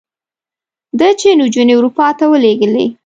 ده چې نجونې اروپا ته ولېږلې.